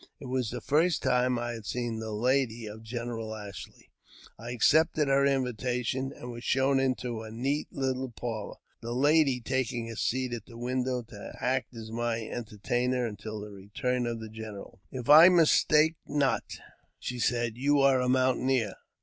It was the first time I had seen the lady of Generj^l Ashley. "■ I accepted her invitation, and was shown into a neat little parlour, the lady taking a seat at the window to act as entertainer until the return of the general. " If I mistake not," she said, " you are a mountaineer?'